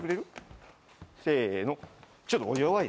せの！